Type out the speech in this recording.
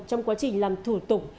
trong quá trình làm thủ tục